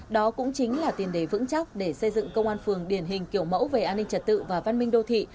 đó cũng chính là tiền đề vững chắc để xây dựng công an phường điển hình kiểu mẫu về an ninh trật tự và văn minh đô thị